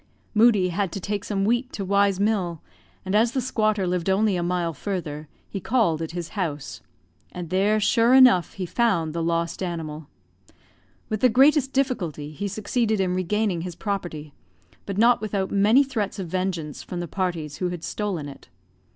Moodie had to take some wheat to Y 's mill, and as the squatter lived only a mile further, he called at his house; and there, sure enough, he found the lost animal. With the greatest difficulty he succeeded in regaining his property, but not without many threats of vengeance from the parties who had stolen it.